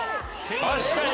確かに！